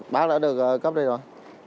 bác đã được cấp đây rồi